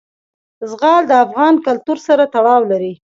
زغال د افغان کلتور سره تړاو لري.